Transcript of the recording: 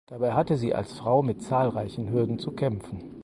Dabei hatte sie als Frau mit zahlreichen Hürden zu kämpfen.